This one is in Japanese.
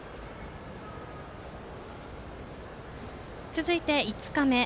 続いて５日目。